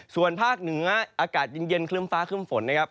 ส่วนภาคเหนืออากาศเย็นครึ้มฟ้าครึ่มฝนนะครับ